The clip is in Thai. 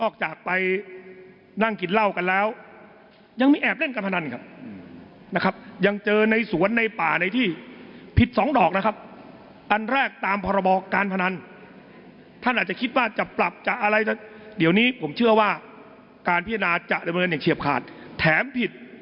ความยิ่งภัทรองเกี่ยวกันกับข้าป